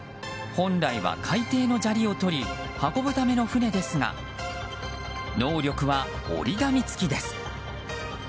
本来は海底の砂利を取り運ぶための船ですが能力は折り紙付きです。